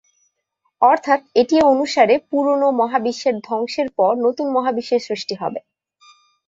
অর্থাৎ এটি অনুসারে পুরনো মহাবিশ্বের ধ্বংসের পর নতুন মহাবিশ্বের সৃষ্টি হবে।